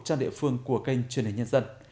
trang địa phương của kênh truyền hình nhân dân